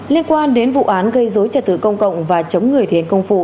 liên quan đến vụ án gây dối trả tử công cộng và chống người thiền công phụ